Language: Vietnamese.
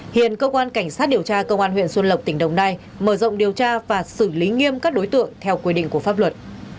hiện cơ quan cảnh sát điều tra công an huyện xuân lộc tỉnh đồng nai mở rộng điều tra và xử lý nghiêm các đối tượng theo quy định của pháp luật